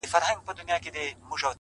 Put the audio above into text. o چي زه تورنه ته تورن سې گرانه ؛